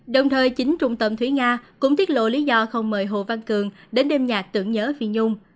đồng thời chính trung tâm thúy nga cũng tiết lộ lý do không mời hồ văn cường đến đêm nhạc tưởng nhớ phi nhung